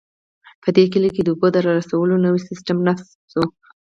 په دې کلي کې د اوبو د رارسولو نوی سیستم نصب شوی